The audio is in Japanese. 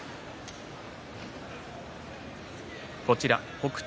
北勝